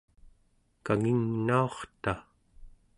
kangingnaurta